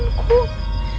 kenapa aku jadi ular lagi